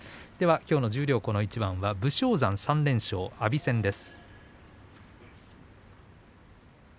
きょうの十両この一番は武将山３連勝、阿炎戦です。